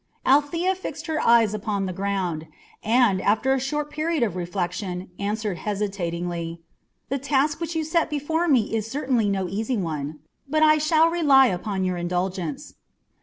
Althea fixed her eyes upon the ground, and, after a short period of reflection, answered hesitatingly: "The task which you set before me is certainly no easy one, but I shall rely upon your indulgence."